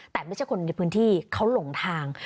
แต่ไม่ใช่คนในพื้นที่เขาหลงทาง